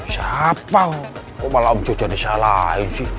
siapa kok malah om sudah disalahin sih